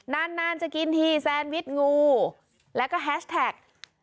นานจะกินทีแซนวิชงูแล้วก็แฮชแท็ก